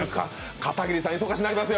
片桐さん、忙しなりますよ。